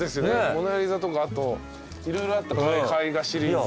『モナ・リザ』とかあと色々あった絵画シリーズ。